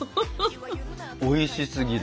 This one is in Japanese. おいしすぎる。